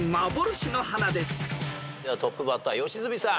トップバッター良純さん。